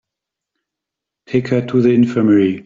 Take her to the infirmary.